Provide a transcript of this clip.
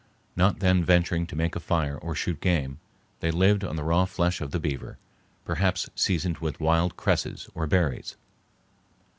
Not then venturing to make a fire or shoot game, they lived on the raw flesh of the beaver, perhaps seasoned with wild cresses or berries.